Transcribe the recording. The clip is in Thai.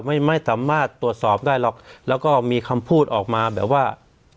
ไม่สามารถตรวจสอบได้หรอกแล้วก็มีคำพูดออกมาแบบว่า